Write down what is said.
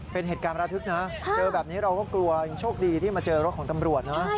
เป็นเหตุการณ์ประทึกนะเจอแบบนี้เราก็กลัวยังโชคดีที่มาเจอรถของตำรวจนะ